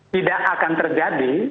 tidak akan terjadi